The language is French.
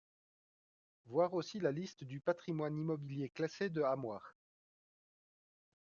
Voir aussi la liste du patrimoine immobilier classé de Hamoir.